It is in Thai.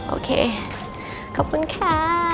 โอเคขอบคุณค่ะ